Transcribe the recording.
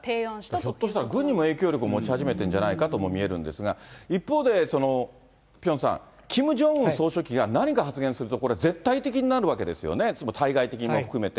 ひょっとしたら、軍にも影響力を持ち始めているんじゃないかと見えるんですが、一方で、ピョンさん、キム・ジョンウン総書記が何か発言すると、これ、絶対的になるわけですよね、つまり対外的にも含めて。